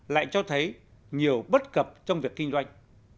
lại cho thấy nhiều bất cập trong việc kinh doanh